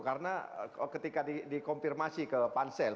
karena ketika dikonfirmasi ke pansel